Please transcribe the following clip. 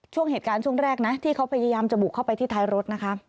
ช่วงเหตุการณ์ช่วงแรกนะที่เขาพยายามจะบุกเข้าไปที่ท้ายรถนะคะ